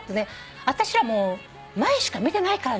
「私はもう前しか見てないからね」